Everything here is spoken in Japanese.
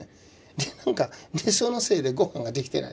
でなんかそのせいでご飯ができてない。